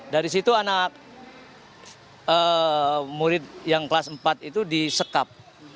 dari situ anak murid yang kelas empat itu disekap